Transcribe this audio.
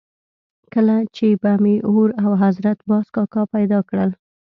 کله چې به مې اور او حضرت باز کاکا پیدا کړل.